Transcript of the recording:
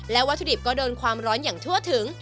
วัตถุดิบก็โดนความร้อนอย่างทั่วถึง